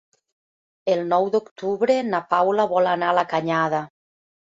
El nou d'octubre na Paula vol anar a la Canyada.